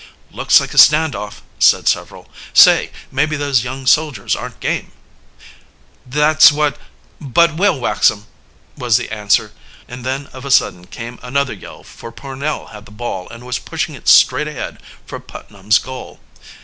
"Looks like a stand off," said several. "Say, maybe those young soldiers aren't game!" "That's what but we'll wax 'em!" was the answer, and then of a sudden came another yell, for Pornell had the ball and was pushing it straight ahead for Putnam's goal.